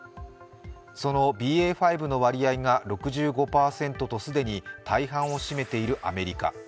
そのＢＡ．５の割合が６５％と既に大半を占めているアメリカ。